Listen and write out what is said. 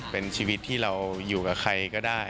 เป็นชีวิตที่เราอยู่กับใครก็ได้